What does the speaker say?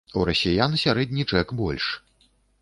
У расіян сярэдні чэк больш.